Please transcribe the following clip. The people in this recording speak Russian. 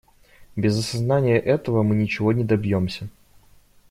Без осознания этого мы ничего не добьемся.